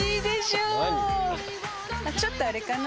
ちょっとあれかな？